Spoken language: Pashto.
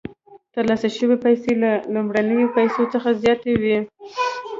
ترلاسه شوې پیسې له لومړنیو پیسو څخه زیاتې وي